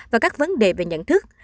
và các vấn đề về nhận thức